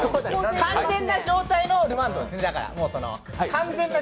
完全な状態のルマンドですね。